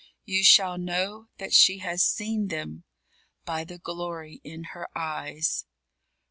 You shall know that she has seen them, By the glory in her eyes.